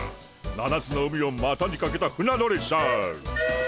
七つの海をまたにかけた船乗りさ。